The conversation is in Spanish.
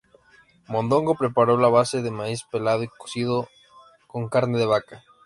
Mondongo preparado a base de maíz pelado y cocido, con carne de vaca.